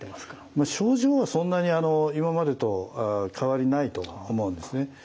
症状はそんなに今までと変わりないと思うんですね。